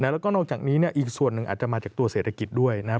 แล้วก็นอกจากนี้อีกส่วนหนึ่งอาจจะมาจากตัวเศรษฐกิจด้วยนะครับ